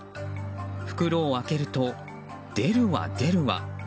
袋を開けると、出るわ出るわ。